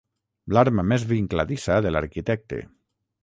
L'arma més vincladissa de l'arquitecte.